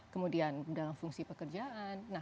kemudian dalam fungsi pekerjaan